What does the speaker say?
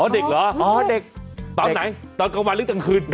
อ๋อเด็กเหรอตอนไหนตอนกลางวันหรือกลางคืน